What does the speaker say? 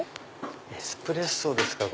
エスプレッソですか。